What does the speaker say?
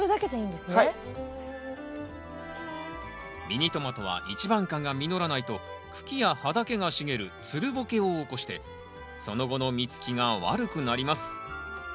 ミニトマトは一番花が実らないと茎や葉だけが茂るつるボケを起こしてその後の実つきが悪くなります。